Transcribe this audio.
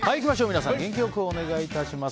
皆さん、元気良くお願いします。